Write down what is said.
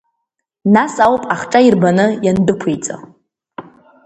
Нас ауп ахҿа ирбаны иандәықәиҵа.